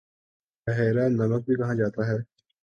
بحیرہ نمک بھی کہا جاتا ہے